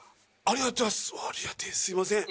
ありがてえすみません。